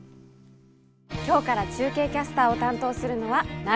今日から中継キャスターを担当するのは永浦さんです。